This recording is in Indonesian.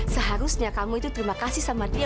seharusnya kamu itu terima kasih sama dia